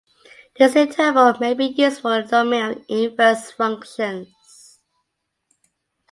This interval may be used for the domain of inverse functions.